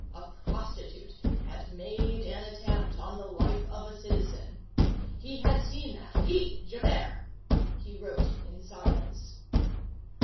A prostitute had made an attempt on the life of a citizen. He had seen that, he, Javert. He wrote in silence.